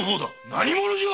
何者じゃ！